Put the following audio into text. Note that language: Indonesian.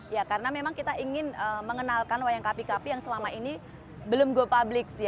ya karena memang kita ingin mengenalkan wayang kapi kapi yang selama ini belum go public